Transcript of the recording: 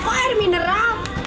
mau air mineral